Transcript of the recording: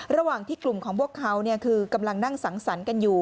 ระหว่างที่กลุ่มของพวกเขาคือกำลังนั่งสังสรรค์กันอยู่